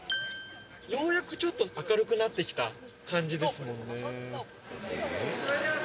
ようやくちょっと明るくなってきた感じですもんね。